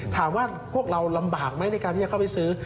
ถามว่าพวกเราลำบากไหมในการที่จะเข้าไปซื้อ